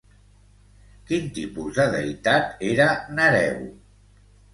Quin tipus de deïtat era Nereu?